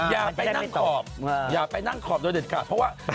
อย่าไปนั่งขอบอย่าไปนั่งขอบโดยเด็ดค่ะ